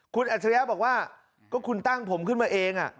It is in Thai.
คุณอัจฉริยะบอกว่าก็คุณตั้งผมขึ้นมาเอง